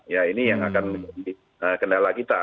ya ini yang akan menjadi kendala kita